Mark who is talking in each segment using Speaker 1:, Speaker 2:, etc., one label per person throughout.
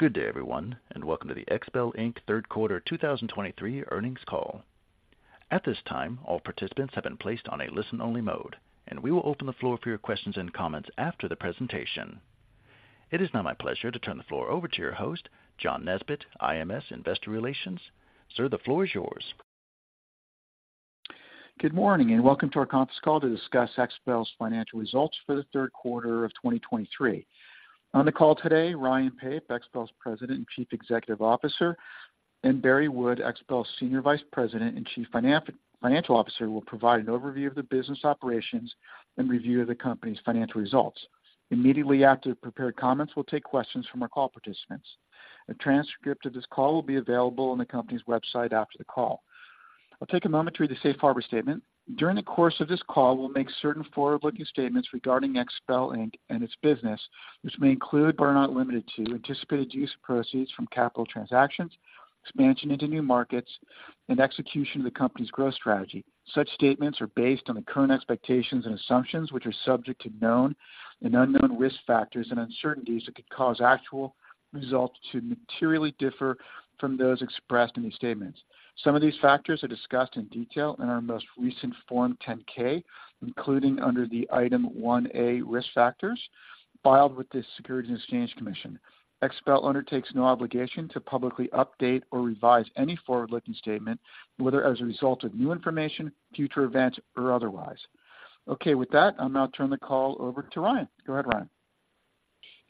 Speaker 1: Good day, everyone, and welcome to the XPEL Inc. third quarter 2023 earnings call. At this time, all participants have been placed on a listen-only mode, and we will open the floor for your questions and comments after the presentation. It is now my pleasure to turn the floor over to your host, John Nesbett, IMS Investor Relations. Sir, the floor is yours.
Speaker 2: Good morning, and welcome to our conference call to discuss XPEL's financial results for the third quarter of 2023. On the call today, Ryan Pape, XPEL's President and Chief Executive Officer, and Barry Wood, XPEL's Senior Vice President and Chief Financial Officer, will provide an overview of the business operations and review of the company's financial results. Immediately after the prepared comments, we'll take questions from our call participants. A transcript of this call will be available on the company's website after the call. I'll take a moment to read the safe harbor statement. During the course of this call, we'll make certain forward-looking statements regarding XPEL Inc. and its business, which may include, but are not limited to, anticipated use of proceeds from capital transactions, expansion into new markets, and execution of the company's growth strategy. Such statements are based on the current expectations and assumptions, which are subject to known and unknown risk factors and uncertainties that could cause actual results to materially differ from those expressed in these statements. Some of these factors are discussed in detail in our most recent Form 10-K, including under the Item 1A, Risk Factors, filed with the Securities and Exchange Commission. XPEL undertakes no obligation to publicly update or revise any forward-looking statement, whether as a result of new information, future events, or otherwise. Okay, with that, I'll now turn the call over to Ryan. Go ahead, Ryan.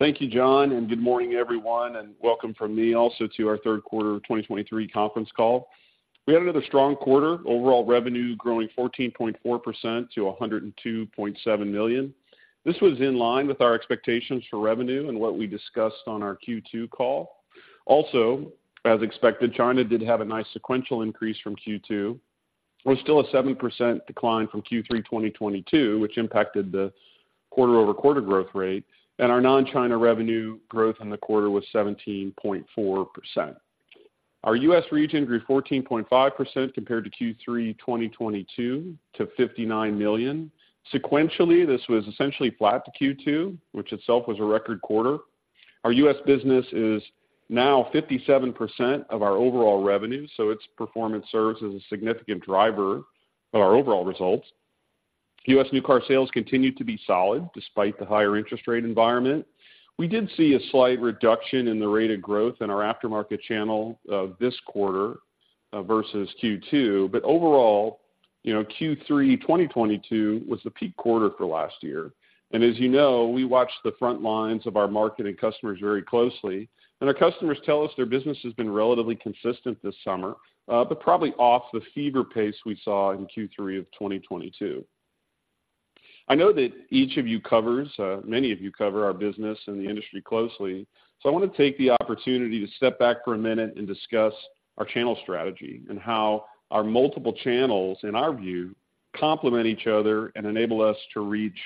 Speaker 3: Thank you, John, and good morning everyone, and welcome from me also to our third quarter of 2023 conference call. We had another strong quarter, overall revenue growing 14.4% to $102.7 million. This was in line with our expectations for revenue and what we discussed on our Q2 call. Also, as expected, China did have a nice sequential increase from Q2, or still a 7% decline from Q3 2022, which impacted the quarter-over-quarter growth rate, and our non-China revenue growth in the quarter was 17.4%. Our U.S. region grew 14.5% compared to Q3 2022 to $59 million. Sequentially, this was essentially flat to Q2, which itself was a record quarter. Our U.S. business is now 57% of our overall revenue, so its performance serves as a significant driver of our overall results. U.S. new car sales continued to be solid despite the higher interest rate environment. We did see a slight reduction in the rate of growth in our aftermarket channel of this quarter, versus Q2, but overall, you know, Q3 2022 was the peak quarter for last year. And as you know, we watched the front lines of our market and customers very closely, and our customers tell us their business has been relatively consistent this summer, but probably off the fever pace we saw in Q3 of 2022. I know that each of you covers, many of you cover our business and the industry closely, so I want to take the opportunity to step back for a minute and discuss our channel strategy and how our multiple channels, in our view, complement each other and enable us to reach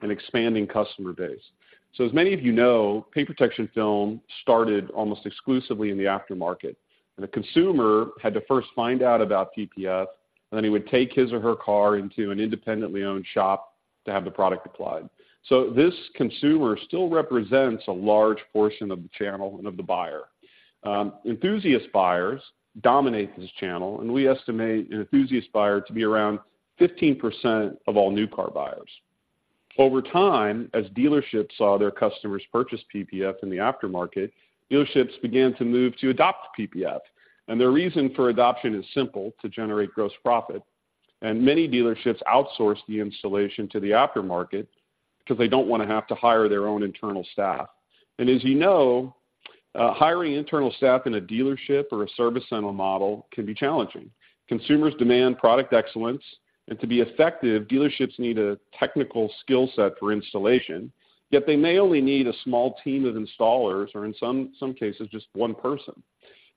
Speaker 3: an expanding customer base. So as many of you know, Paint Protection Film started almost exclusively in the aftermarket, and the consumer had to first find out about PPF, and then he would take his or her car into an independently owned shop to have the product applied. So this consumer still represents a large portion of the channel and of the buyer. Enthusiast buyers dominate this channel, and we estimate an enthusiast buyer to be around 15% of all new car buyers. Over time, as dealerships saw their customers purchase PPF in the aftermarket, dealerships began to move to adopt PPF, and their reason for adoption is simple, to generate gross profit. Many dealerships outsource the installation to the aftermarket because they don't want to have to hire their own internal staff. And as you know, hiring internal staff in a dealership or a service center model can be challenging. Consumers demand product excellence, and to be effective, dealerships need a technical skill set for installation, yet they may only need a small team of installers or in some cases, just one person.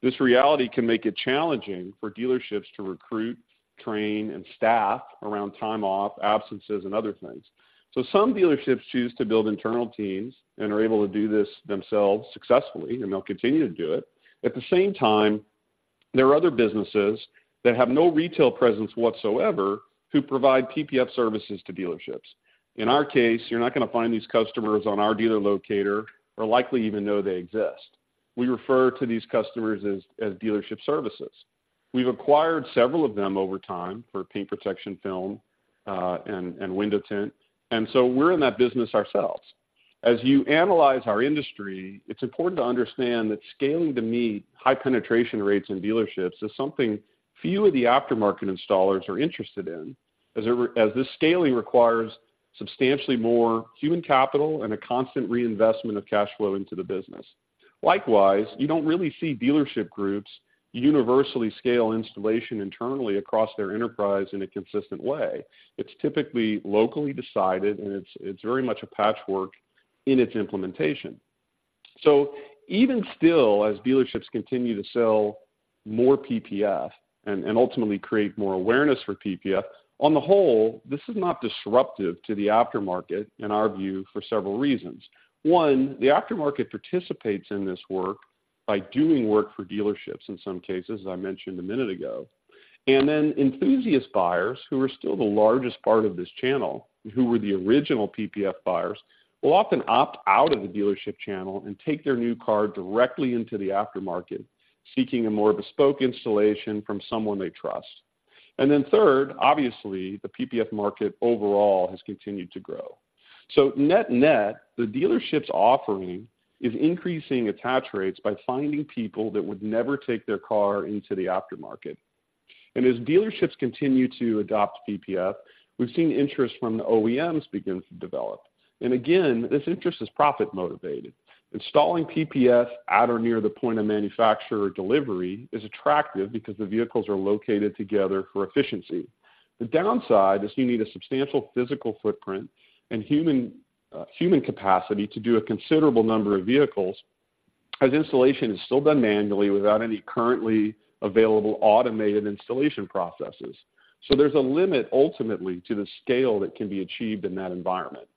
Speaker 3: This reality can make it challenging for dealerships to recruit, train, and staff around time off, absences, and other things. So some dealerships choose to build internal teams and are able to do this themselves successfully, and they'll continue to do it. At the same time, there are other businesses that have no retail presence whatsoever who provide PPF services to dealerships. In our case, you're not going to find these customers on our dealer locator or likely even know they exist. We refer to these customers as Dealership Services. We've acquired several of them over time for paint protection film, and window tint, and so we're in that business ourselves. As you analyze our industry, it's important to understand that scaling to meet high penetration rates in dealerships is something few of the aftermarket installers are interested in, as this scaling requires substantially more human capital and a constant reinvestment of cash flow into the business. Likewise, you don't really see dealership groups universally scale installation internally across their enterprise in a consistent way. It's typically locally decided, and it's very much a patchwork in its implementation. So even still, as dealerships continue to sell more PPF and ultimately create more awareness for PPF, on the whole, this is not disruptive to the aftermarket, in our view, for several reasons. One, the aftermarket participates in this work by doing work for dealerships in some cases, as I mentioned a minute ago. Enthusiast buyers, who are still the largest part of this channel, who were the original PPF buyers, will often opt out of the dealership channel and take their new car directly into the aftermarket, seeking a more bespoke installation from someone they trust. Third, obviously, the PPF market overall has continued to grow. Net-net, the dealership's offering is increasing attach rates by finding people that would never take their car into the aftermarket. As dealerships continue to adopt PPF, we've seen interest from the OEMs begin to develop. Again, this interest is profit motivated. Installing PPF at or near the point of manufacturer delivery is attractive because the vehicles are located together for efficiency. The downside is you need a substantial physical footprint and human capacity to do a considerable number of vehicles, as installation is still done manually without any currently available automated installation processes. So there's a limit, ultimately, to the scale that can be achieved in that environment.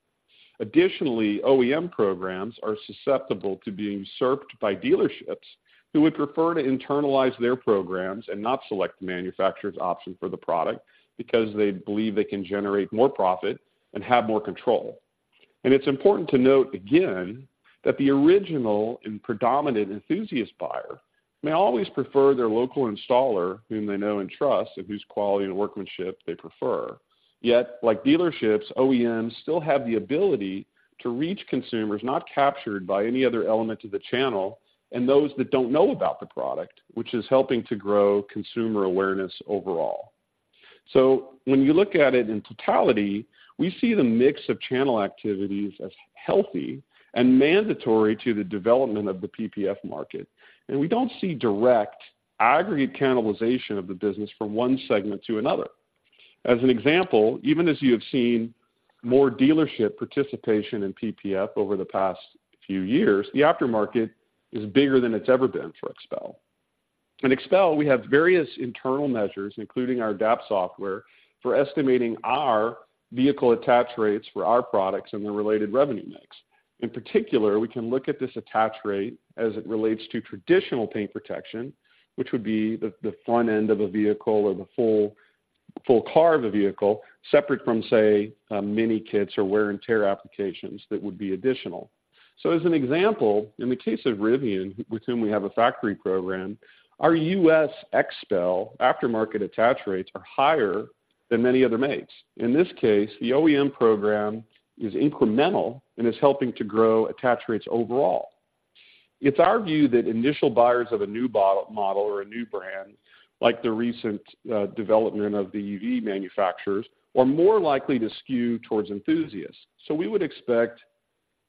Speaker 3: Additionally, OEM programs are susceptible to being usurped by dealerships who would prefer to internalize their programs and not select the manufacturer's option for the product, because they believe they can generate more profit and have more control. And it's important to note, again, that the original and predominant enthusiast buyer may always prefer their local installer, whom they know and trust, and whose quality and workmanship they prefer. Yet, like dealerships, OEMs still have the ability to reach consumers not captured by any other element of the channel and those that don't know about the product, which is helping to grow consumer awareness overall. So when you look at it in totality, we see the mix of channel activities as healthy and mandatory to the development of the PPF market, and we don't see direct aggregate cannibalization of the business from one segment to another. As an example, even as you have seen more dealership participation in PPF over the past few years, the aftermarket is bigger than it's ever been for XPEL. In XPEL, we have various internal measures, including our DAP software, for estimating our vehicle attach rates for our products and the related revenue mix. In particular, we can look at this attach rate as it relates to traditional paint protection, which would be the front end of a vehicle or the full car of a vehicle, separate from, say, mini kits or wear and tear applications that would be additional. So as an example, in the case of Rivian, with whom we have a factory program, our U.S. XPEL aftermarket attach rates are higher than many other makes. In this case, the OEM program is incremental and is helping to grow attach rates overall. It's our view that initial buyers of a new model or a new brand, like the recent development of the EV manufacturers, are more likely to skew towards enthusiasts. So we would expect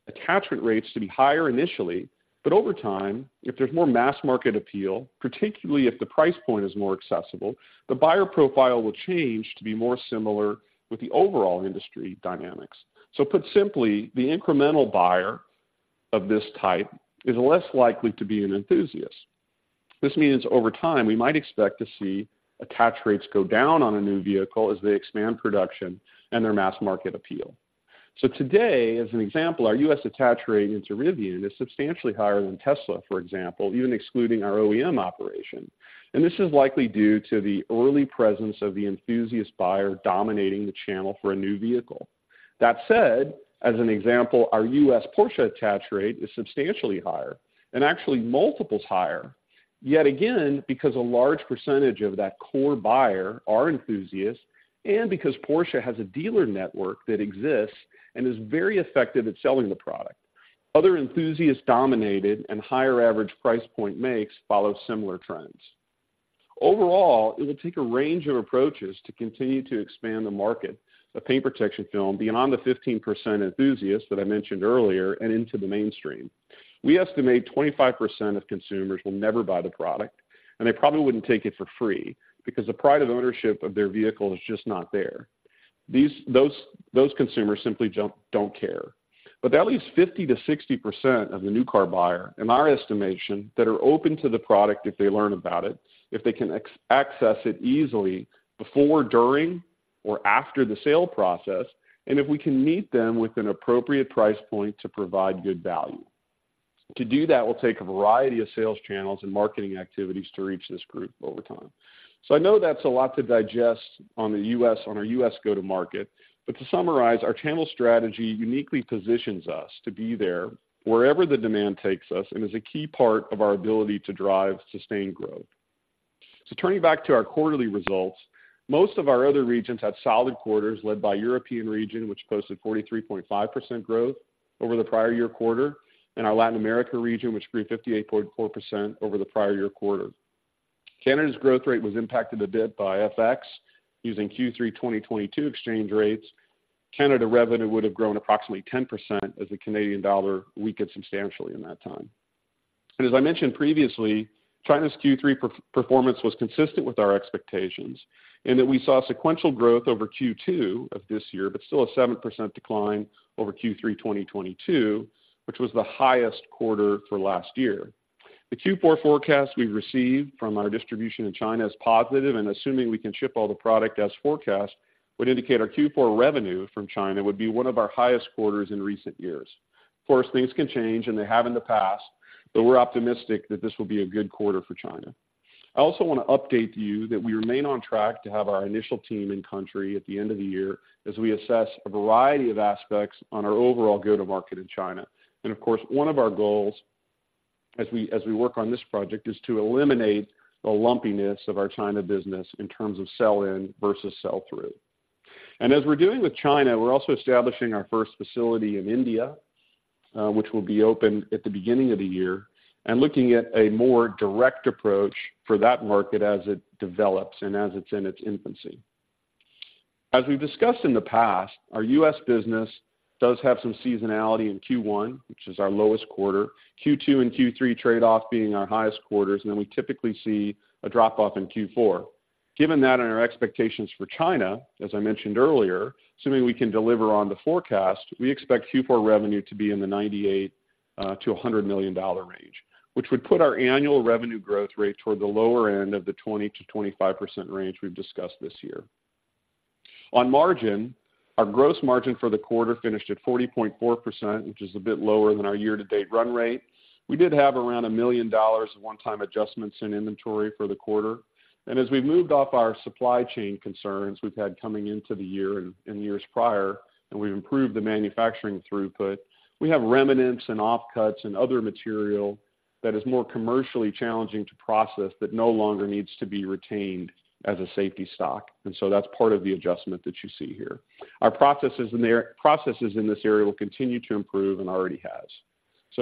Speaker 3: attachment rates to be higher initially, but over time, if there's more mass market appeal, particularly if the price point is more accessible, the buyer profile will change to be more similar with the overall industry dynamics. So put simply, the incremental buyer of this type is less likely to be an enthusiast. This means over time, we might expect to see attach rates go down on a new vehicle as they expand production and their mass market appeal. So today, as an example, our U.S. attach rate into Rivian is substantially higher than Tesla, for example, even excluding our OEM operation. And this is likely due to the early presence of the enthusiast buyer dominating the channel for a new vehicle. That said, as an example, our U.S. Porsche attach rate is substantially higher, and actually multiple higher, yet again, because a large percentage of that core buyer are enthusiasts and because Porsche has a dealer network that exists and is very effective at selling the product. Other enthusiast-dominated and higher average price point makes follow similar trends. Overall, it will take a range of approaches to continue to expand the market of paint protection film beyond the 15% enthusiasts that I mentioned earlier and into the mainstream. We estimate 25% of consumers will never buy the product, and they probably wouldn't take it for free because the pride of ownership of their vehicle is just not there. Those consumers simply don't care. But that leaves 50%-60% of the new car buyer, in our estimation, that are open to the product if they learn about it, if they can access it easily before, during, or after the sale process, and if we can meet them with an appropriate price point to provide good value. To do that will take a variety of sales channels and marketing activities to reach this group over time. So I know that's a lot to digest on the U.S., on our U.S. go-to-market, but to summarize, our channel strategy uniquely positions us to be there wherever the demand takes us and is a key part of our ability to drive sustained growth. So turning back to our quarterly results, most of our other regions had solid quarters, led by European region, which posted 43.5% growth over the prior year quarter, and our Latin America region, which grew 58.4% over the prior year quarter. Canada's growth rate was impacted a bit by FX. Using Q3 2022 exchange rates, Canada revenue would have grown approximately 10% as the Canadian dollar weakened substantially in that time. And as I mentioned previously, China's Q3 performance was consistent with our expectations in that we saw sequential growth over Q2 of this year, but still a 7% decline over Q3 2022, which was the highest quarter for last year. The Q4 forecast we've received from our distribution in China is positive, and assuming we can ship all the product as forecast, would indicate our Q4 revenue from China would be one of our highest quarters in recent years. Of course, things can change, and they have in the past, but we're optimistic that this will be a good quarter for China. I also want to update you that we remain on track to have our initial team in country at the end of the year, as we assess a variety of aspects on our overall go-to-market in China. And of course, one of our goals as we, as we work on this project, is to eliminate the lumpiness of our China business in terms of sell-in versus sell-through. And as we're doing with China, we're also establishing our first facility in India, which will be open at the beginning of the year, and looking at a more direct approach for that market as it develops and as it's in its infancy. As we've discussed in the past, our U.S. business does have some seasonality in Q1, which is our lowest quarter. Q2 and Q3 trade off being our highest quarters, and then we typically see a drop off in Q4. Given that and our expectations for China, as I mentioned earlier, assuming we can deliver on the forecast, we expect Q4 revenue to be in the $98 million-$100 million range, which would put our annual revenue growth rate toward the lower end of the 20%-25% range we've discussed this year. On margin, our gross margin for the quarter finished at 40.4%, which is a bit lower than our year-to-date run rate. We did have around $1 million of one-time adjustments in inventory for the quarter. As we've moved off our supply chain concerns we've had coming into the year and years prior, and we've improved the manufacturing throughput, we have remnants and offcuts and other material that is more commercially challenging to process that no longer needs to be retained as a safety stock, and so that's part of the adjustment that you see here. Our processes in this area will continue to improve and already has.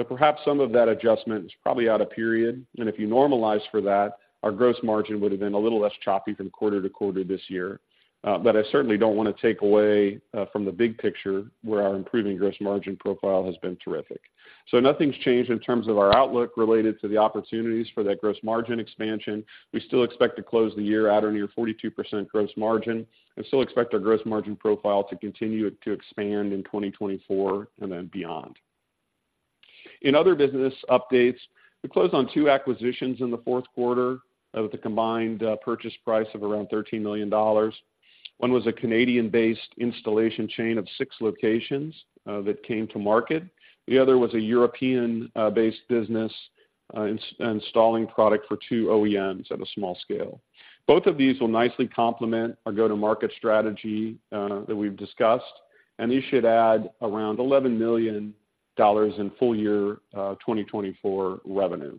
Speaker 3: Perhaps some of that adjustment is probably out of period, and if you normalize for that, our gross margin would have been a little less choppy from quarter to quarter this year. But I certainly don't want to take away from the big picture, where our improving gross margin profile has been terrific. So nothing's changed in terms of our outlook related to the opportunities for that gross margin expansion. We still expect to close the year at or near 42% gross margin, and still expect our gross margin profile to continue to expand in 2024 and then beyond. In other business updates, we closed on two acquisitions in the fourth quarter of the combined purchase price of around $13 million. One was a Canadian-based installation chain of six locations that came to market. The other was a European-based business installing product for two OEMs at a small scale. Both of these will nicely complement our go-to-market strategy, that we've discussed, and these should add around $11 million in full year 2024 revenue.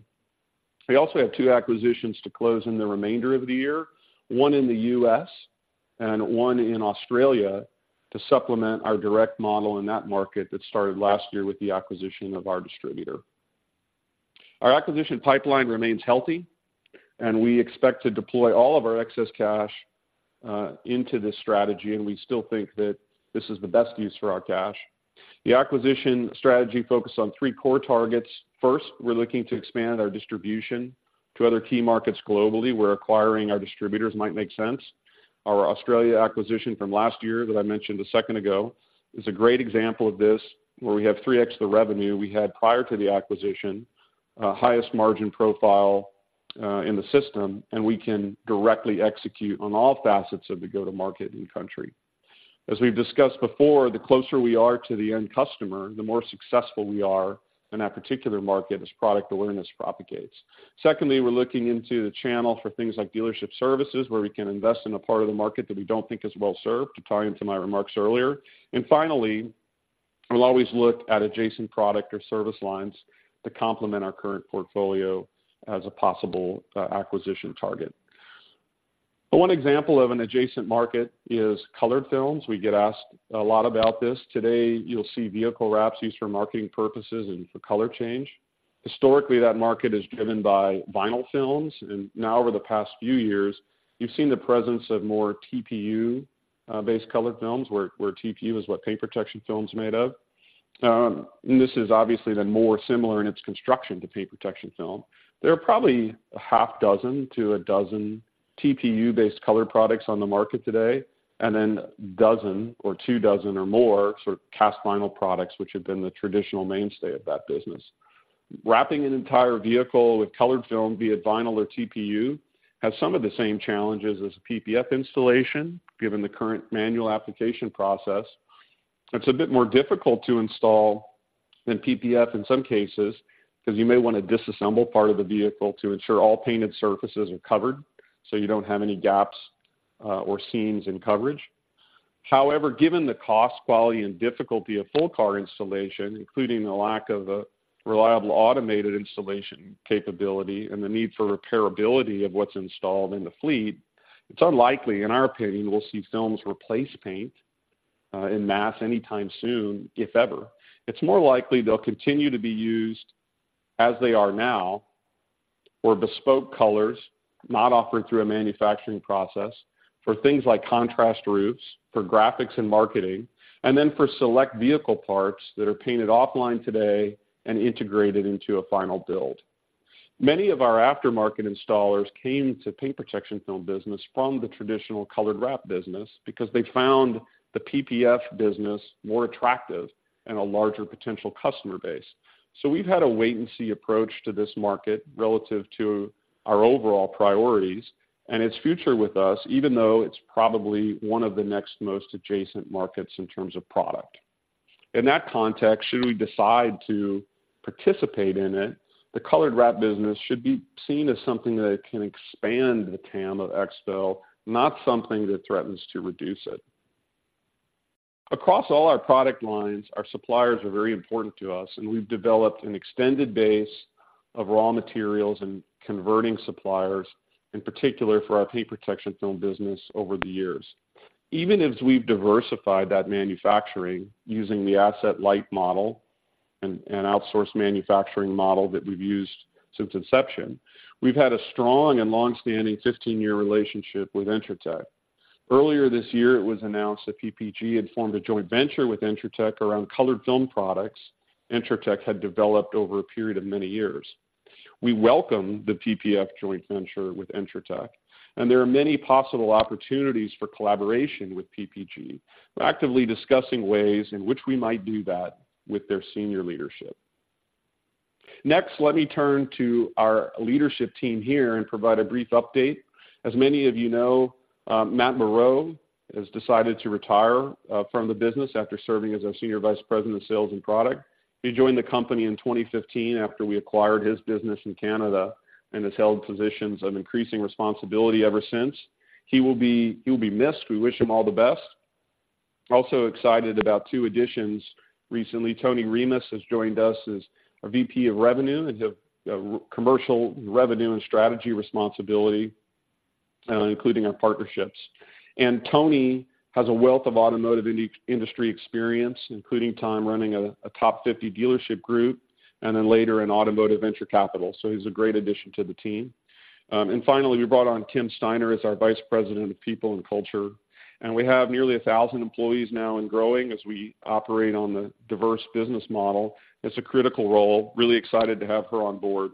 Speaker 3: We also have two acquisitions to close in the remainder of the year, one in the U.S. and one in Australia, to supplement our direct model in that market that started last year with the acquisition of our distributor. Our acquisition pipeline remains healthy, and we expect to deploy all of our excess cash into this strategy, and we still think that this is the best use for our cash. The acquisition strategy focused on three core targets. First, we're looking to expand our distribution to other key markets globally, where acquiring our distributors might make sense. Our Australia acquisition from last year, that I mentioned a second ago, is a great example of this, where we have 3x the revenue we had prior to the acquisition, highest margin profile in the system, and we can directly execute on all facets of the go-to-market in country. As we've discussed before, the closer we are to the end customer, the more successful we are in that particular market as product awareness propagates. Secondly, we're looking into the channel for things like dealership services, where we can invest in a part of the market that we don't think is well served, to tie into my remarks earlier. Finally, we'll always look at adjacent product or service lines to complement our current portfolio as a possible acquisition target. One example of an adjacent market is colored films. We get asked a lot about this. Today, you'll see vehicle wraps used for marketing purposes and for color change. Historically, that market is driven by vinyl films, and now over the past few years, you've seen the presence of more TPU-based colored films, where TPU is what paint protection film is made of. And this is obviously then more similar in its construction to paint protection film. There are probably half dozen to a dozen TPU-based colored products on the market today, and then dozen or two dozen or more sort of cast vinyl products, which have been the traditional mainstay of that business. Wrapping an entire vehicle with colored film, be it vinyl or TPU, has some of the same challenges as PPF installation, given the current manual application process. It's a bit more difficult to install than PPF in some cases, 'cause you may want to disassemble part of the vehicle to ensure all painted surfaces are covered, so you don't have any gaps, or seams in coverage. However, given the cost, quality, and difficulty of full car installation, including the lack of a reliable automated installation capability and the need for repairability of what's installed in the fleet, it's unlikely, in our opinion, we'll see films replace paint, en masse anytime soon, if ever. It's more likely they'll continue to be used as they are now, or bespoke colors, not offered through a manufacturing process, for things like contrast roofs, for graphics and marketing, and then for select vehicle parts that are painted offline today and integrated into a final build. Many of our aftermarket installers came to paint protection film business from the traditional colored wrap business because they found the PPF business more attractive and a larger potential customer base. So we've had a wait-and-see approach to this market relative to our overall priorities, and its future with us, even though it's probably one of the next most adjacent markets in terms of product. In that context, should we decide to participate in it, the colored wrap business should be seen as something that can expand the TAM of XPEL, not something that threatens to reduce it. Across all our product lines, our suppliers are very important to us, and we've developed an extended base of raw materials and converting suppliers, in particular for our paint protection film business over the years. Even as we've diversified that manufacturing using the asset-light model and outsource manufacturing model that we've used since inception, we've had a strong and long-standing 15-year relationship with Entrotech. Earlier this year, it was announced that PPG had formed a joint venture with Entrotech around colored film products Entrotech had developed over a period of many years. We welcome the PPF joint venture with Entrotech, and there are many possible opportunities for collaboration with PPG. We're actively discussing ways in which we might do that with their senior leadership. Next, let me turn to our leadership team here and provide a brief update. As many of you know, Matt Moreau has decided to retire from the business after serving as our Senior Vice President of Sales and Product. He joined the company in 2015 after we acquired his business in Canada and has held positions of increasing responsibility ever since. He will be missed. We wish him all the best. Also excited about two additions recently. Tony Rimas has joined us as our VP of Revenue, and he'll have commercial revenue and strategy responsibility, including our partnerships. And Tony has a wealth of automotive industry experience, including time running a top 50 dealership group and then later in automotive venture capital, so he's a great addition to the team. And finally, we brought on Kim Steiner as our Vice President of People and Culture, and we have nearly 1,000 employees now and growing as we operate on the diverse business model. It's a critical role. Really excited to have her on board.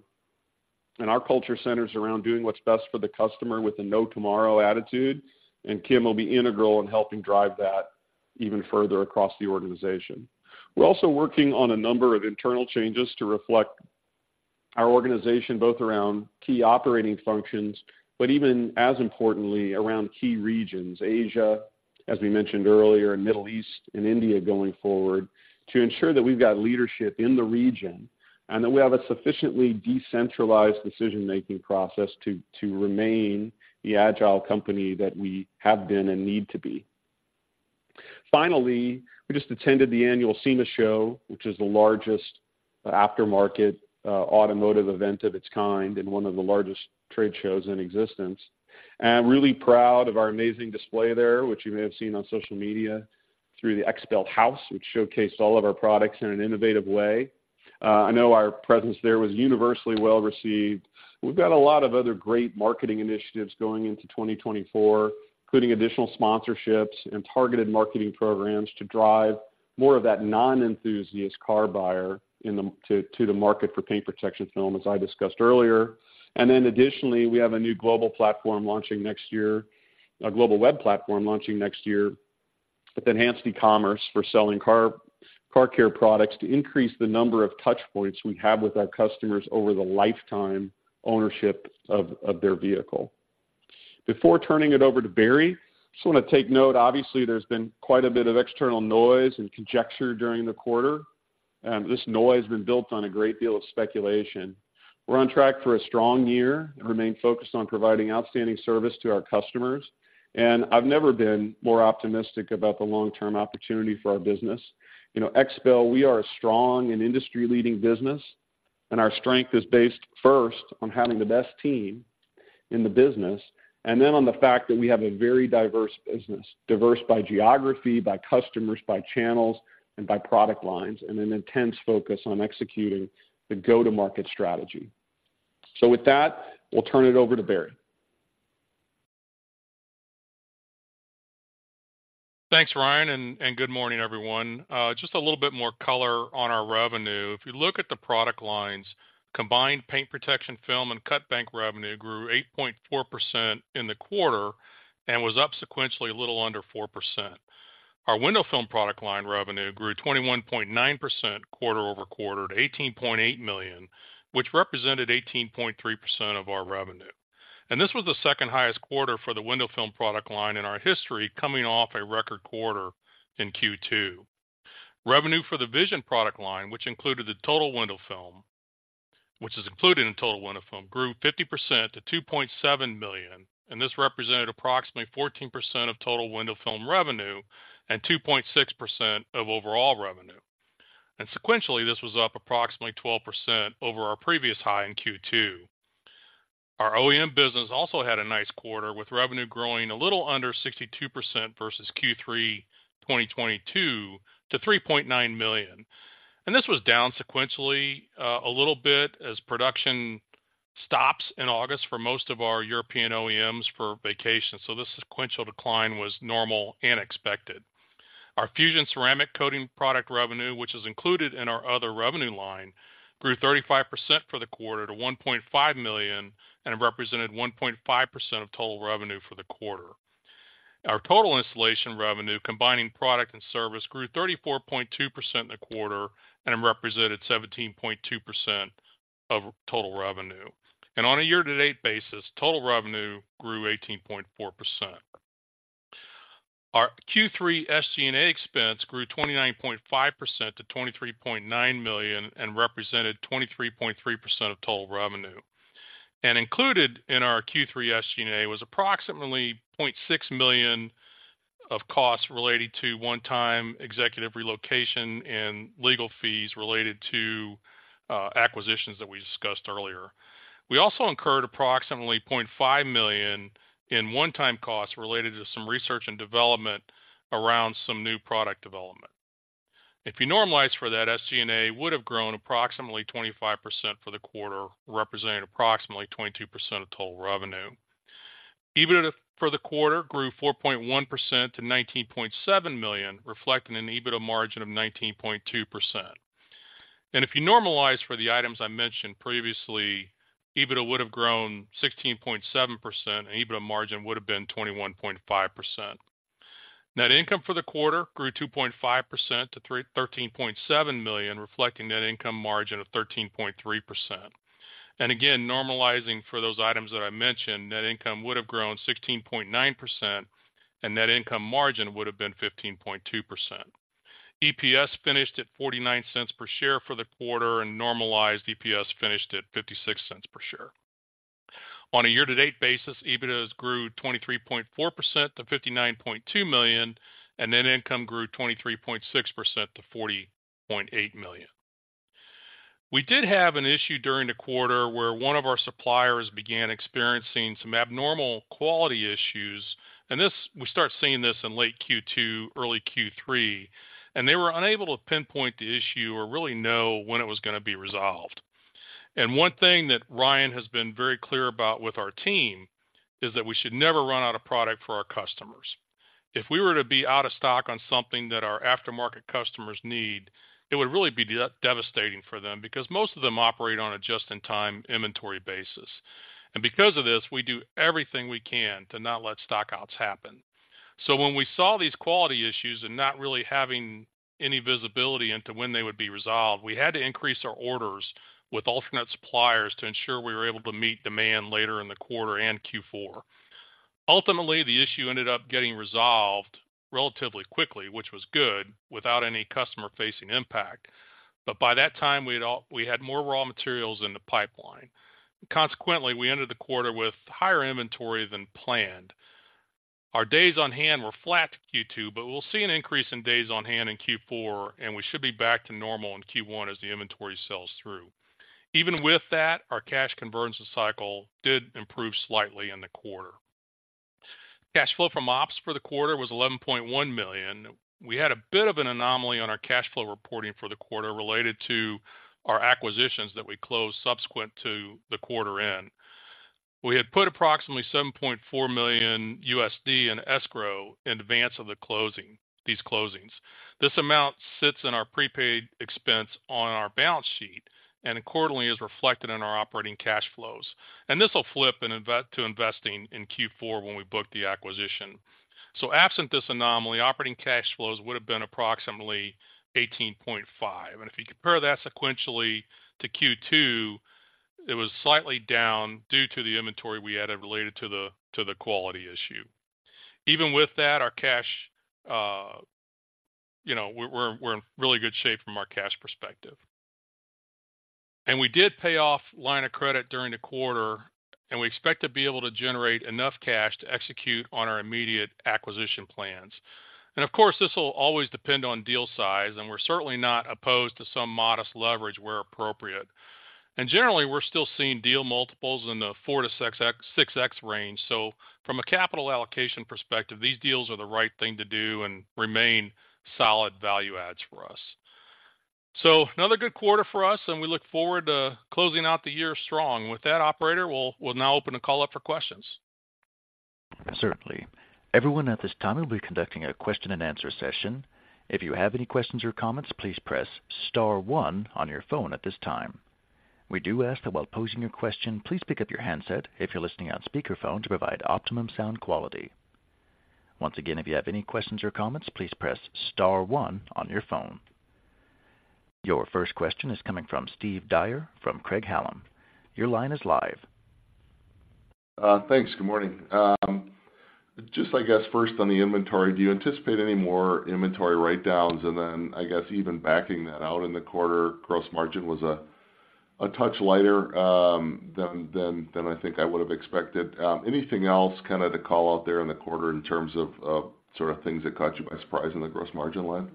Speaker 3: Our culture centers around doing what's best for the customer with a no tomorrow attitude, and Kim will be integral in helping drive that even further across the organization. We're also working on a number of internal changes to reflect our organization, both around key operating functions, but even as importantly, around key regions, Asia, as we mentioned earlier, and Middle East and India going forward, to ensure that we've got leadership in the region, and that we have a sufficiently decentralized decision-making process to remain the agile company that we have been and need to be. Finally, we just attended the annual SEMA Show, which is the largest aftermarket automotive event of its kind and one of the largest trade shows in existence. I'm really proud of our amazing display there, which you may have seen on social media through the XPEL House, which showcased all of our products in an innovative way. I know our presence there was universally well-received. We've got a lot of other great marketing initiatives going into 2024, including additional sponsorships and targeted marketing programs to drive more of that non-enthusiast car buyer to the market for paint protection film, as I discussed earlier. Then additionally, we have a new global platform launching next year, a global web platform launching next year, with enhanced e-commerce for selling car care products to increase the number of touch points we have with our customers over the lifetime ownership of their vehicle. Before turning it over to Barry, I just want to take note, obviously, there's been quite a bit of external noise and conjecture during the quarter, and this noise has been built on a great deal of speculation. We're on track for a strong year and remain focused on providing outstanding service to our customers, and I've never been more optimistic about the long-term opportunity for our business. You know, XPEL, we are a strong and industry-leading business, and our strength is based first on having the best team in the business, and then on the fact that we have a very diverse business. Diverse by geography, by customers, by channels, and by product lines, and an intense focus on executing the go-to-market strategy. So with that, we'll turn it over to Barry.
Speaker 4: Thanks, Ryan, and good morning, everyone. Just a little bit more color on our revenue. If you look at the product lines, combined paint protection film and Cutbank revenue grew 8.4% in the quarter and was up sequentially a little under 4%. Our window film product line revenue grew 21.9% quarter-over-quarter to $18.8 million, which represented 18.3% of our revenue. And this was the second highest quarter for the window film product line in our history, coming off a record quarter in Q2. Revenue for the Vision product line, which included the total window film, which is included in total window film, grew 50% to $2.7 million, and this represented approximately 14% of total window film revenue and 2.6% of overall revenue. Sequentially, this was up approximately 12% over our previous high in Q2. Our OEM business also had a nice quarter, with revenue growing a little under 62% versus Q3 2022 to $3.9 million. This was down sequentially, a little bit as production stops in August for most of our European OEMs for vacation. So this sequential decline was normal and expected. Our Fusion ceramic coating product revenue, which is included in our other revenue line, grew 35% for the quarter to $1.5 million and represented 1.5% of total revenue for the quarter. Our total installation revenue, combining product and service, grew 34.2% in the quarter and represented 17.2% of total revenue. On a year-to-date basis, total revenue grew 18.4%. Our Q3 SG&A expense grew 29.5% to $23.9 million and represented 23.3% of total revenue. Included in our Q3 SG&A was approximately $0.6 million of costs related to one-time executive relocation and legal fees related to acquisitions that we discussed earlier. We also incurred approximately $0.5 million in one-time costs related to some research and development around some new product development. If you normalize for that, SG&A would have grown approximately 25% for the quarter, representing approximately 22% of total revenue. EBITDA for the quarter grew 4.1% to $19.7 million, reflecting an EBITDA margin of 19.2%. If you normalize for the items I mentioned previously, EBITDA would have grown 16.7%, and EBITDA margin would have been 21.5%. Net income for the quarter grew 2.5% to $13.7 million, reflecting net income margin of 13.3%. And again, normalizing for those items that I mentioned, net income would have grown 16.9%, and net income margin would have been 15.2%. EPS finished at $0.49 per share for the quarter, and normalized EPS finished at $0.56 per share. On a year-to-date basis, EBITDA grew 23.4% to $59.2 million, and net income grew 23.6% to $40.8 million. We did have an issue during the quarter where one of our suppliers began experiencing some abnormal quality issues, and this, we start seeing this in late Q2, early Q3, and they were unable to pinpoint the issue or really know when it was going to be resolved. One thing that Ryan has been very clear about with our team is that we should never run out of product for our customers. If we were to be out of stock on something that our aftermarket customers need, it would really be devastating for them because most of them operate on a just-in-time inventory basis. Because of this, we do everything we can to not let stockouts happen. So when we saw these quality issues and not really having any visibility into when they would be resolved, we had to increase our orders with alternate suppliers to ensure we were able to meet demand later in the quarter and Q4. Ultimately, the issue ended up getting resolved relatively quickly, which was good, without any customer-facing impact. But by that time, we had more raw materials in the pipeline. Consequently, we ended the quarter with higher inventory than planned. Our days on hand were flat Q2, but we'll see an increase in days on hand in Q4, and we should be back to normal in Q1 as the inventory sells through. Even with that, our cash conversion cycle did improve slightly in the quarter. Cash flow from ops for the quarter was $11.1 million. We had a bit of an anomaly on our cash flow reporting for the quarter related to our acquisitions that we closed subsequent to the quarter end. We had put approximately $7.4 million in escrow in advance of the closing, these closings. This amount sits in our prepaid expense on our balance sheet and accordingly is reflected in our operating cash flows. This will flip in investing in Q4 when we book the acquisition. So absent this anomaly, operating cash flows would have been approximately $18.5 million. And if you compare that sequentially to Q2, it was slightly down due to the inventory we added related to the quality issue. Even with that, we're in really good shape from a cash perspective. And we did pay off line of credit during the quarter, and we expect to be able to generate enough cash to execute on our immediate acquisition plans. And of course, this will always depend on deal size, and we're certainly not opposed to some modest leverage where appropriate. And generally, we're still seeing deal multiples in the 4x-6x range. So from a capital allocation perspective, these deals are the right thing to do and remain solid value adds for us. So another good quarter for us, and we look forward to closing out the year strong. With that, operator, we'll now open the call up for questions.
Speaker 1: Certainly. Everyone at this time, we'll be conducting a question-and-answer session. If you have any questions or comments, please press star one on your phone at this time. We do ask that while posing your question, please pick up your handset if you're listening on speakerphone to provide optimum sound quality. Once again, if you have any questions or comments, please press star one on your phone. Your first question is coming from Steve Dyer from Craig-Hallum. Your line is live.
Speaker 5: Thanks. Good morning. Just, I guess, first on the inventory, do you anticipate any more inventory write-downs? And then I guess even backing that out in the quarter, gross margin was a touch lighter than I think I would have expected. Anything else kind of to call out there in the quarter in terms of sort of things that caught you by surprise in the gross margin line?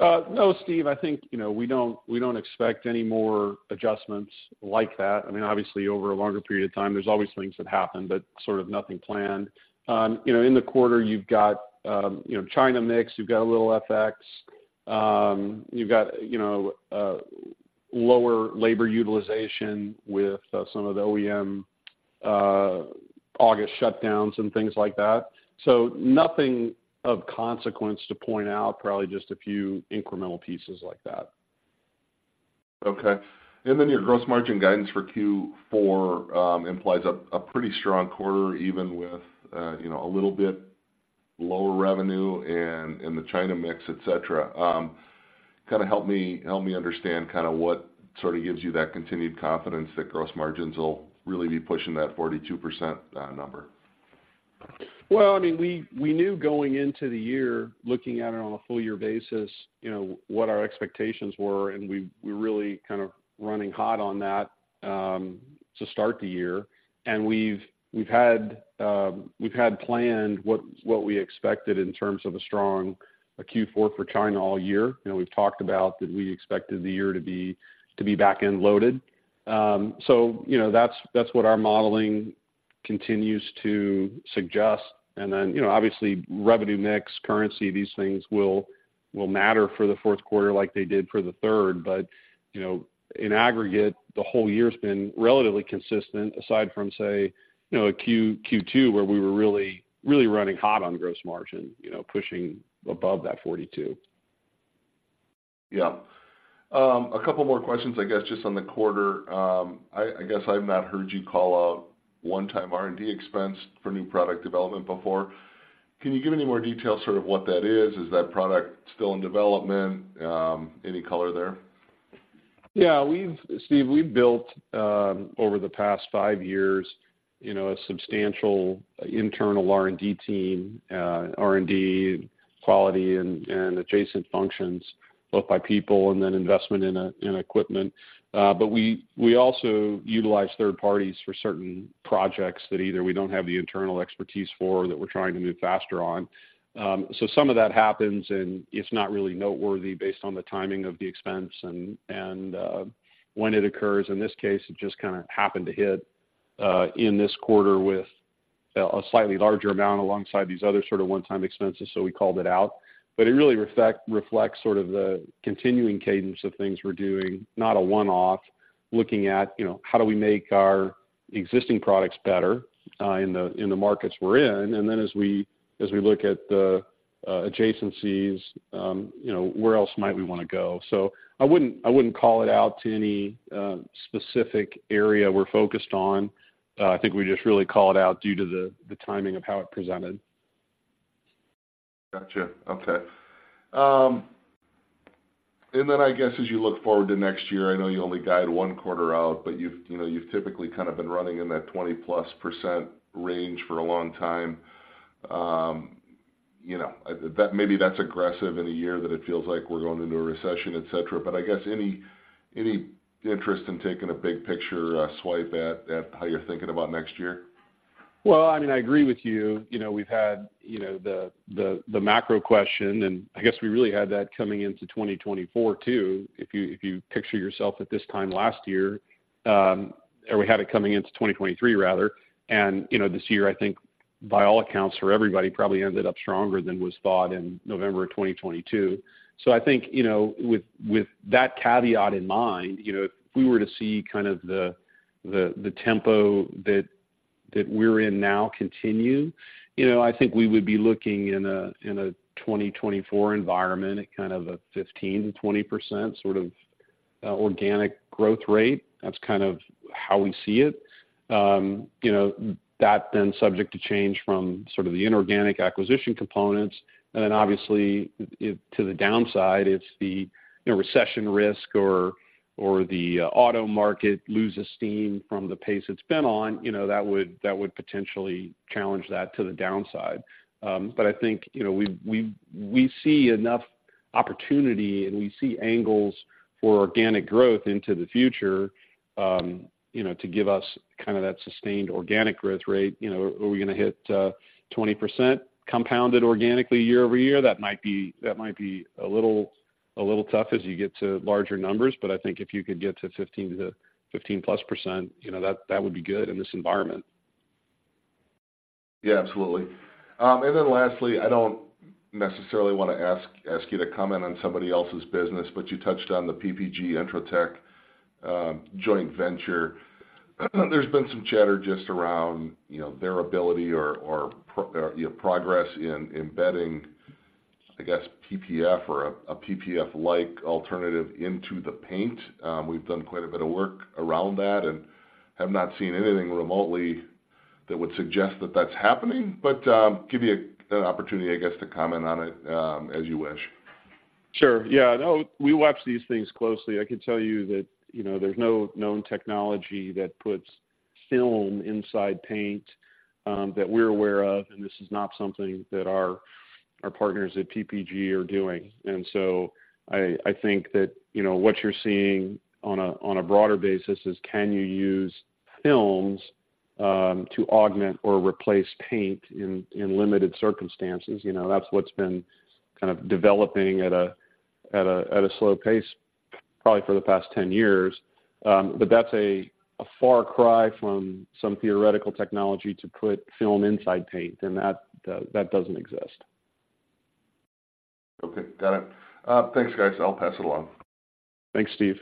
Speaker 3: No, Steve, I think, you know, we don't, we don't expect any more adjustments like that. I mean, obviously, over a longer period of time, there's always things that happen, but sort of nothing planned. You know, in the quarter, you've got, you know, China mix, you've got a little FX, you've got, you know, lower labor utilization with some of the OEM, August shutdowns and things like that. So nothing of consequence to point out, probably just a few incremental pieces like that.
Speaker 5: Okay, and then your gross margin guidance for Q4 implies a pretty strong quarter, even with, you know, a little bit lower revenue and the China mix, et cetera. Kind of help me understand kind of what sort of gives you that continued confidence that gross margins will really be pushing that 42% number?
Speaker 3: Well, I mean, we knew going into the year, looking at it on a full year basis, you know, what our expectations were, and we're really kind of running hot on that to start the year. And we've had planned what we expected in terms of a strong Q4 for China all year. You know, we've talked about that we expected the year to be back-end loaded. So you know, that's what our modeling continues to suggest. And then, you know, obviously, revenue mix, currency, these things will matter for the fourth quarter like they did for the third. But, you know, in aggregate, the whole year's been relatively consistent, aside from say, you know, Q2, where we were really running hot on gross margin, you know, pushing above that 42%.
Speaker 5: Yeah. A couple more questions, I guess, just on the quarter. I guess I've not heard you call out one-time R&D expense for new product development before. Can you give any more detail, sort of what that is? Is that product still in development? Any color there?
Speaker 3: Yeah, Steve, we've built over the past five years, you know, a substantial internal R&D team, R&D, quality, and adjacent functions, both by people and then investment in equipment. But we also utilize third parties for certain projects that either we don't have the internal expertise for or that we're trying to move faster on. So some of that happens, and it's not really noteworthy based on the timing of the expense and when it occurs. In this case, it just kind of happened to hit in this quarter with a slightly larger amount alongside these other sort of one-time expenses, so we called it out. But it really reflects sort of the continuing cadence of things we're doing, not a one-off, looking at, you know, how do we make our existing products better in the markets we're in? And then as we look at the adjacencies, you know, where else might we want to go? So I wouldn't call it out to any specific area we're focused on. I think we just really call it out due to the timing of how it presented.
Speaker 5: Gotcha. Okay. And then I guess, as you look forward to next year, I know you only guide one quarter out, but you've, you know, you've typically kind of been running in that 20%+ range for a long time. You know, maybe that's aggressive in a year that it feels like we're going into a recession, et cetera. But I guess, any interest in taking a big picture swipe at how you're thinking about next year?
Speaker 3: Well, I mean, I agree with you. You know, we've had, you know, the, the, the macro question, and I guess we really had that coming into 2024, too. If you, if you picture yourself at this time last year, or we had it coming into 2023, rather, and, you know, this year, I think by all accounts, for everybody, probably ended up stronger than was thought in November of 2022. So I think, you know, with, with that caveat in mind, you know, if we were to see kind of the tempo that, that we're in now continue, you know, I think we would be looking in a, in a 2024 environment at kind of a 15%-20% sort of organic growth rate. That's kind of how we see it. You know, that then subject to change from sort of the inorganic acquisition components, and then obviously, to the downside, it's the, you know, recession risk or the auto market loses steam from the pace it's been on. You know, that would, that would potentially challenge that to the downside. But I think, you know, we see enough opportunity, and we see angles for organic growth into the future, you know, to give us kind of that sustained organic growth rate. You know, are we gonna hit 20% compounded organically year-over-year? That might be, that might be a little, a little tough as you get to larger numbers, but I think if you could get to 15%-15+%, you know, that, that would be good in this environment.
Speaker 5: Yeah, absolutely. And then lastly, I don't necessarily want to ask you to comment on somebody else's business, but you touched on the PPG Entrotech joint venture. There's been some chatter just around, you know, their ability or progress in embedding, I guess, PPF or a PPF-like alternative into the paint. We've done quite a bit of work around that and have not seen anything remotely that would suggest that that's happening, but give you an opportunity, I guess, to comment on it as you wish.
Speaker 3: Sure. Yeah, no, we watch these things closely. I can tell you that, you know, there's no known technology that puts film inside paint, that we're aware of, and this is not something that our partners at PPG are doing. And so I think that, you know, what you're seeing on a broader basis is, can you use films to augment or replace paint in limited circumstances? You know, that's what's been kind of developing at a slow pace, probably for the past 10 years. But that's a far cry from some theoretical technology to put film inside paint, and that doesn't exist.
Speaker 5: Okay, got it. Thanks, guys. I'll pass it along.
Speaker 3: Thanks, Steve.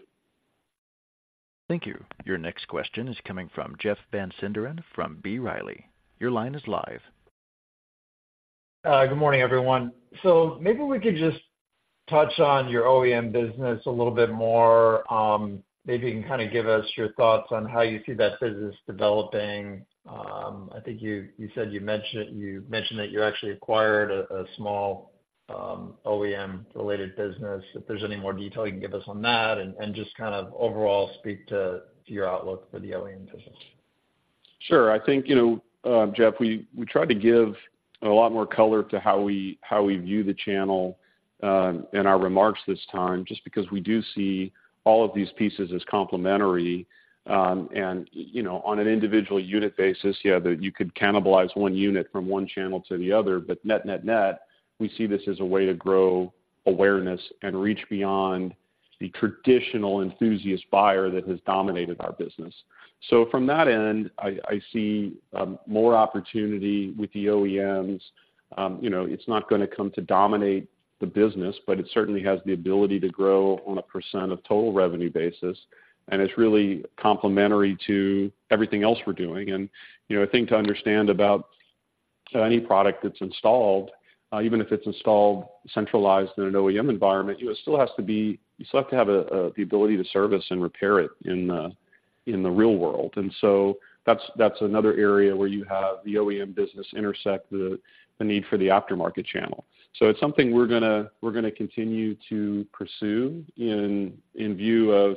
Speaker 1: Thank you. Your next question is coming from Jeff Van Sinderen from B. Riley. Your line is live.
Speaker 6: Good morning, everyone. So maybe we could just touch on your OEM business a little bit more. Maybe you can kind of give us your thoughts on how you see that business developing. I think you said you mentioned that you actually acquired a small OEM-related business, if there's any more detail you can give us on that, and just kind of overall speak to your outlook for the OEM business.
Speaker 3: Sure. I think, you know, Jeff, we, we tried to give a lot more color to how we, how we view the channel, in our remarks this time, just because we do see all of these pieces as complementary. And, you know, on an individual unit basis, yeah, that you could cannibalize one unit from one channel to the other, but net, net, net, we see this as a way to grow awareness and reach beyond the traditional enthusiast buyer that has dominated our business. So from that end, I see more opportunity with the OEMs. You know, it's not going to come to dominate the business, but it certainly has the ability to grow on a percent of total revenue basis, and it's really complementary to everything else we're doing. You know, a thing to understand about any product that's installed, even if it's installed centralized in an OEM environment, you know, you still have to have the ability to service and repair it in the in the real world. So that's that's another area where you have the OEM business intersect the the need for the aftermarket channel. So it's something we're going to we're going to continue to pursue in in view of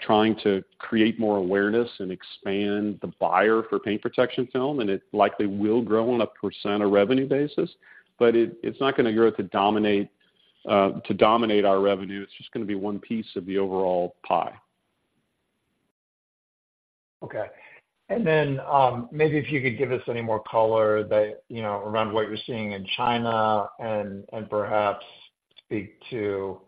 Speaker 3: trying to create more awareness and expand the buyer for paint protection film, and it likely will grow on a percent of revenue basis, but it it's not going to grow to dominate to dominate our revenue. It's just going to be one piece of the overall pie.
Speaker 6: Okay. And then, maybe if you could give us any more color that, you know, around what you're seeing in China and, and perhaps speak to,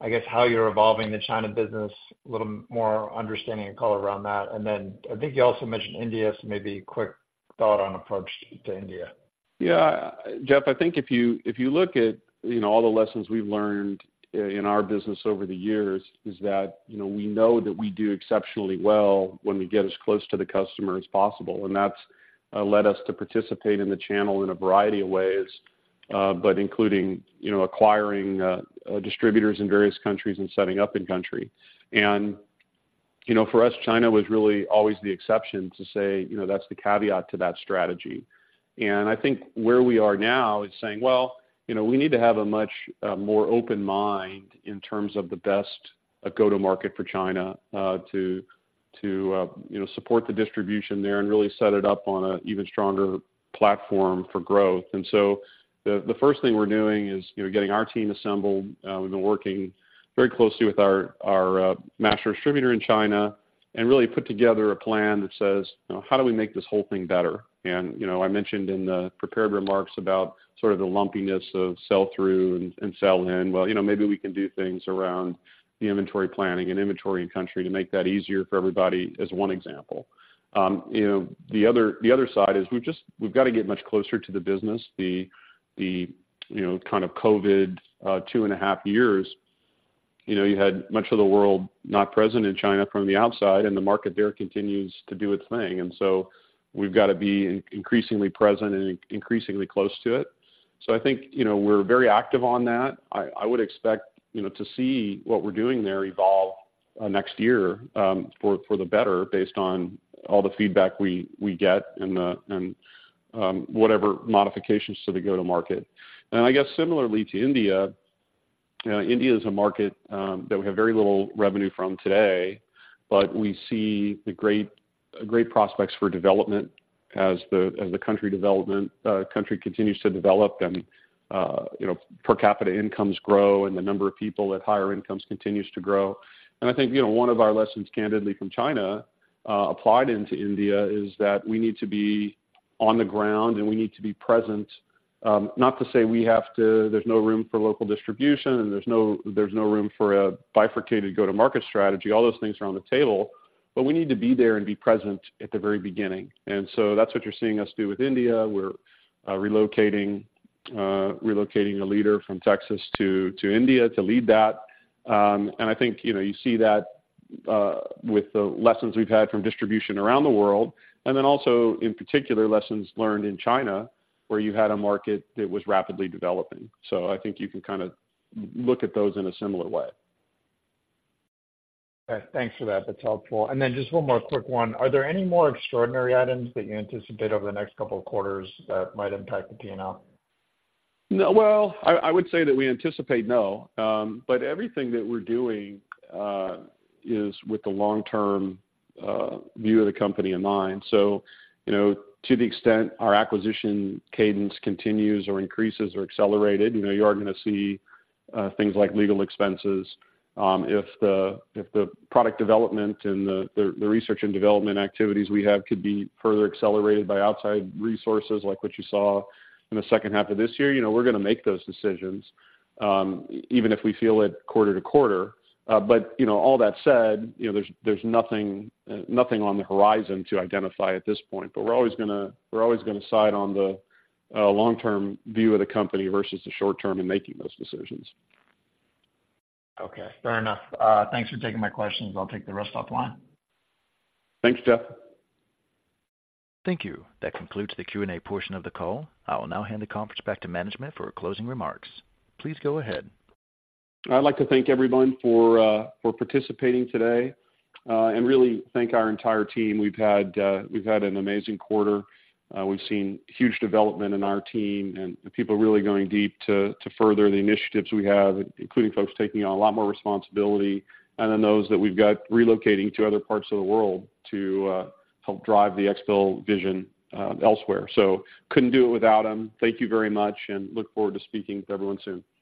Speaker 6: I guess, how you're evolving the China business, a little more understanding and color around that. And then I think you also mentioned India, so maybe a quick thought on approach to India.
Speaker 3: Yeah, Jeff, I think if you look at, you know, all the lessons we've learned in our business over the years, is that, you know, we know that we do exceptionally well when we get as close to the customer as possible. And that's led us to participate in the channel in a variety of ways, but including, you know, acquiring distributors in various countries and setting up in country. And, you know, for us, China was really always the exception to say, you know, that's the caveat to that strategy. And I think where we are now is saying, well, you know, we need to have a much more open mind in terms of the best go-to-market for China, to, you know, support the distribution there and really set it up on an even stronger platform for growth. So the first thing we're doing is, you know, getting our team assembled. We've been working very closely with our master distributor in China and really put together a plan that says, you know, how do we make this whole thing better? And, you know, I mentioned in the prepared remarks about sort of the lumpiness of sell-through and sell-in. Well, you know, maybe we can do things around the inventory planning and inventory in country to make that easier for everybody, as one example. You know, the other side is we've got to get much closer to the business. The, you know, kind of COVID two and a half years, you know, you had much of the world not present in China from the outside, and the market there continues to do its thing. And so we've got to be increasingly present and increasingly close to it. So I think, you know, we're very active on that. I would expect, you know, to see what we're doing there evolve next year for the better, based on all the feedback we get and whatever modifications to the go-to-market. And I guess similarly to India. India is a market that we have very little revenue from today, but we see the great, great prospects for development as the country continues to develop and, you know, per capita incomes grow and the number of people at higher incomes continues to grow. I think, you know, one of our lessons candidly from China applied into India is that we need to be on the ground, and we need to be present. Not to say we have to. There's no room for local distribution, and there's no room for a bifurcated go-to-market strategy. All those things are on the table, but we need to be there and be present at the very beginning. And so that's what you're seeing us do with India. We're relocating a leader from Texas to India to lead that. And I think, you know, you see that with the lessons we've had from distribution around the world, and then also, in particular, lessons learned in China, where you had a market that was rapidly developing. I think you can kind of look at those in a similar way.
Speaker 6: Okay, thanks for that. That's helpful. And then just one more quick one. Are there any more extraordinary items that you anticipate over the next couple of quarters that might impact the PNL?
Speaker 3: No. Well, I would say that we anticipate no. But everything that we're doing is with the long-term view of the company in mind. So, you know, to the extent our acquisition cadence continues or increases or accelerated, you know, you are going to see things like legal expenses. If the product development and the research and development activities we have could be further accelerated by outside resources, like what you saw in the second half of this year, you know, we're going to make those decisions, even if we feel it quarter-to-quarter. But, you know, all that said, you know, there's nothing on the horizon to identify at this point. But we're always going to, we're always going to side on the long-term view of the company versus the short term in making those decisions.
Speaker 6: Okay, fair enough. Thanks for taking my questions. I'll take the rest off the line.
Speaker 3: Thanks, Jeff.
Speaker 1: Thank you. That concludes the Q&A portion of the call. I will now hand the conference back to management for closing remarks. Please go ahead.
Speaker 3: I'd like to thank everyone for, for participating today, and really thank our entire team. We've had, we've had an amazing quarter. We've seen huge development in our team, and the people are really going deep to, to further the initiatives we have, including folks taking on a lot more responsibility, and then those that we've got relocating to other parts of the world to, help drive the XPEL Vision, elsewhere. So couldn't do it without them. Thank you very much, and look forward to speaking with everyone soon.